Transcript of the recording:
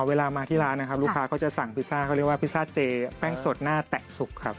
เวลามาที่ร้านนะครับลูกค้าก็จะสั่งพิซซ่าเขาเรียกว่าพิซซ่าเจแป้งสดหน้าแตะสุกครับ